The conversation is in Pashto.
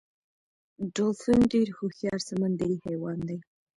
ډولفین ډیر هوښیار سمندری حیوان دی